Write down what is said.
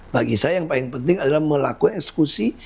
bagi saya yang paling penting adalah melakukan eksekusi